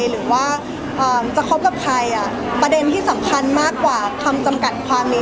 หรือว่าจะคบกับใครประเด็นที่สำคัญมากกว่าคำจำกัดความนี้